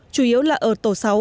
chủ yếu là ở tổ sáu